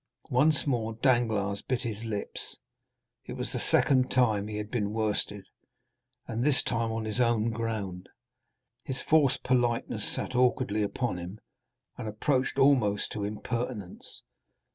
Once more Danglars bit his lips. It was the second time he had been worsted, and this time on his own ground. His forced politeness sat awkwardly upon him, and approached almost to impertinence.